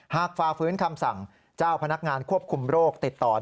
ฝ่าฟื้นคำสั่งเจ้าพนักงานควบคุมโรคติดต่อ